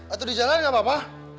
atau di jalan gak apa apa